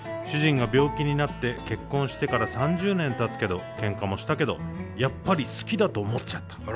「主人が病気になって結婚してから３０年たつけどけんかもしたけどやっぱり好きだと思っちゃった」。